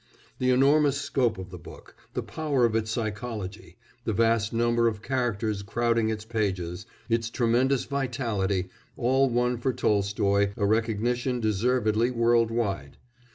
The enormous scope of the book, the power of its psychology, the vast number of characters crowding its pages, its tremendous vitality all won for Tolstoy a recognition deservedly world wide.